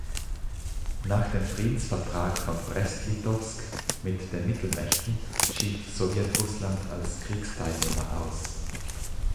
Nach dem Friedensvertrag von Brest-Litowsk mit den Mittelmächten schied Sowjetrussland als Kriegsteilnehmer aus.